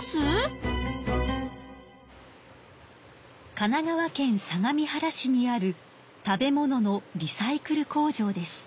神奈川県相模原市にある食べ物のリサイクル工場です。